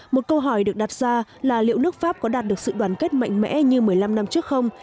một câu hỏi được đặt ra là liệu nước pháp có đạt được sự đoàn kết mạnh mẽ như một mươi năm năm trước không